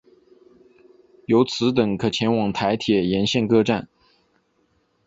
由此等可前往台铁沿线各站。